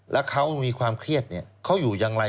แล้วเขามีความเครียดเขาอยู่อย่างไร